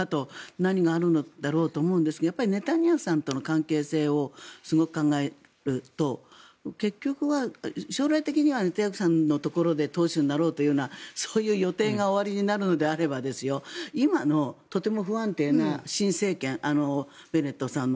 何があるんだろうと思うんですがネタニヤフさんとの関係性をすごく考えると結局は将来的にはネタニヤフさんのところで党首になろうという予定がおありなのであれば今のとても不安定な新政権ベネットさんの。